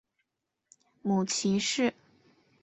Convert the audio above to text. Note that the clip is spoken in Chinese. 母齐氏。